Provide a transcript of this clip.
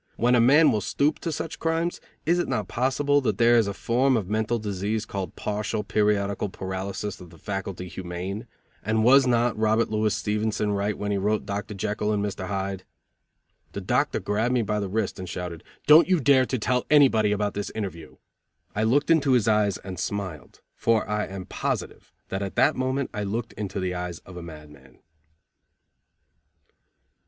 When a man will stoop to such crimes, is it not possible that there is a form of mental disease called partial, periodical paralysis of the faculty humane, and was not Robert Louis Stevenson right when he wrote Dr. Jekyl and Mr. Hyde?" The doctor grabbed me by the wrist and shouted: "Don't you dare to tell anybody about this interview." I looked into his eyes and smiled, for I am positive that at that moment I looked into the eyes of a madman.